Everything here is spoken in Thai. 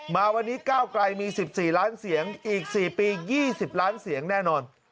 มาวันนี้ก้าวไกลมี๑๔ล้านเสียงอีก๔ปี๒๐ล้านเสียงแน่นอน